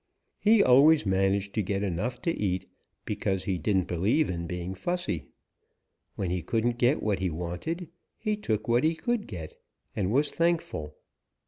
He always managed to get enough to eat because he didn't believe in being fussy. When he couldn't get what he wanted, he took what he could get and was thankful.